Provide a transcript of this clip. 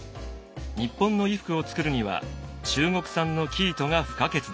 日本の衣服を作るには中国産の生糸が不可欠でした。